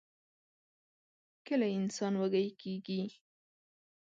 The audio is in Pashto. کله انسان وږۍ کيږي؟